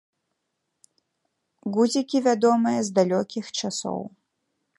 Гузікі вядомыя з далёкіх часоў.